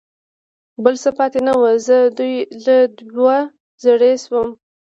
بل څه پاتې نه و، زه دوه زړی شوم.